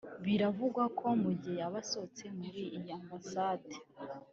Biravugwa ko mu gihe yaba asohotse muri iyi ambasade